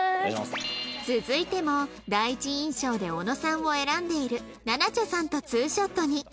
続いても第一印象で小野さんを選んでいるなな茶さんと２ショットに